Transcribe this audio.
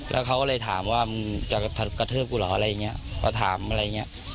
แล้วเขาก็เลยถามว่ามึงจะกระทืบกูเหรออะไรอย่างเงี้ยพอถามอะไรอย่างเงี้ย